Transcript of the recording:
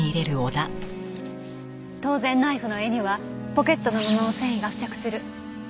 当然ナイフの柄にはポケットの布の繊維が付着する。